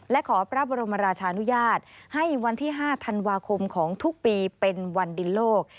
และขอพระบรมราชานุญาตให้วันที่๕ธันวาคมของทุกปีเป็นวันดินโลก